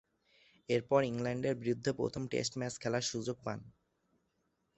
এরপর ইংল্যান্ডের বিরুদ্ধে প্রথম টেস্ট ম্যাচ খেলার সুযোগ পান।